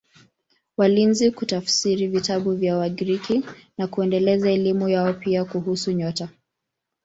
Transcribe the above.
Walianza kutafsiri vitabu vya Wagiriki na kuendeleza elimu yao, pia kuhusu nyota.